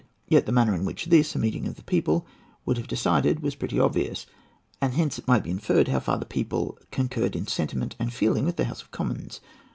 Yet the manner in which this, a meeting of the people, would have decided, was pretty obvious; and hence it might be inferred how far the people concurred in sentiment and feeling with the House of Commons.